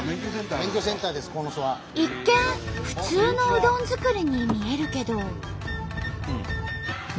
一見普通のうどん作りに見えるけど。